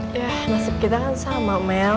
masuk kita kan sama mel